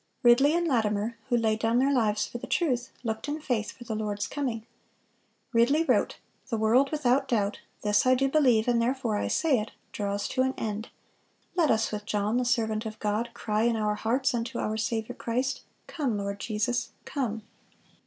Ridley and Latimer, who laid down their lives for the truth, looked in faith for the Lord's coming. Ridley wrote: "The world without doubt—this I do believe, and therefore I say it—draws to an end. Let us with John, the servant of God, cry in our hearts unto our Saviour Christ, Come, Lord Jesus, come."